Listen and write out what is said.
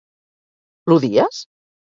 L'odies?